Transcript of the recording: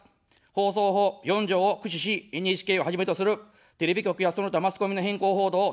放送法４条を駆使し、ＮＨＫをはじめとするテレビ局や、その他マスコミの偏向報道をただす。